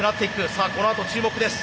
さあこのあと注目です。